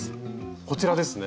こちらですね。